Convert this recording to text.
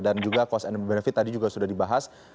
dan juga cost and benefit tadi juga sudah dibahas